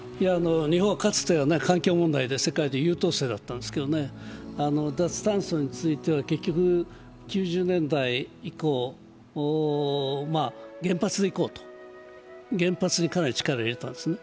日本はかつては環境問題で世界で優等生だったんですけど、脱炭素については結局９０年代以降、原発でいこうと原発にかなり力を入れたんですね。